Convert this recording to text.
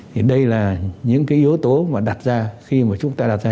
thì đây là những cái yếu tố mà đặt ra khi mà chúng ta đặt ra